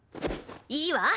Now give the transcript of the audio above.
いいわ！